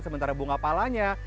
sementara bunga palanya